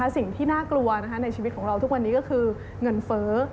สิ่งที่น่ากลัวในชีวิตของเราทุกวันนี้ก็คือเงินเฟ้อ